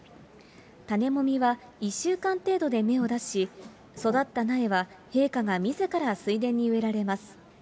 種もみは、１週間程度で芽を出し、育った苗は陛下がみずから水田に植えられます。